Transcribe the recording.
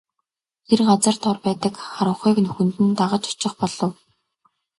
Тэр газар дор байдаг харанхуй нүхэнд нь дагаж очих болов.